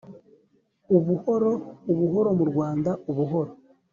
ubuhoro! ubuhoro mu rwanda ubuhoro